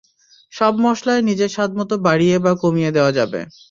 সব মসলাই নিজের স্বাদমতো বাড়িয়ে বা কমিয়ে দেওয়া যাবে।